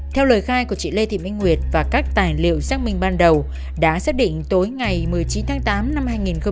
theo lời khai của chị lê thị minh nguyệt và các tài liệu xác minh ban đầu đã xác định tối ngày một mươi chín tháng tám năm hai nghìn một mươi chín